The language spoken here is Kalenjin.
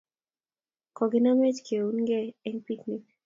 Kokinamech keunigei eng' picnic